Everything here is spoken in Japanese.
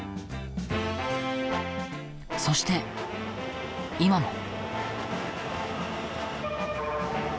そして、今も。